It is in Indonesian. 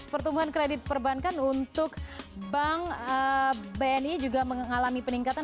pertumbuhan kredit perbankan untuk bank bni juga mengalami peningkatan